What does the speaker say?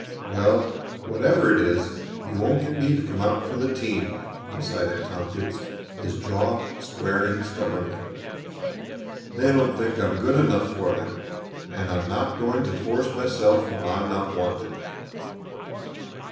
"Well, whatever it is, he won't get me to come out for the team," decided Tompkins, his jaw squaring stubbornly. "They don't think I'm good enough for them, and I'm not going to force myself where I'm not wanted."